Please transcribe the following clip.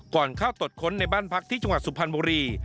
ก่อนเข้าตรวจค้นในบ้านพักที่จังหวัดสุพรรณบุรี